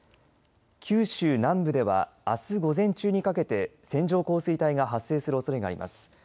九州南部ではあす午前中にかけて線状降水帯が発生するおそれがあります。